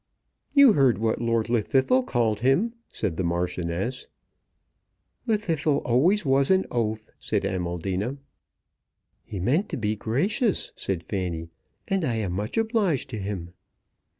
"You heard what Lord Llwddythlw called him," said the Marchioness. "Llwddythlw always was an oaf," said Amaldina. "He meant to be gracious," said Fanny; "and I am much obliged to him."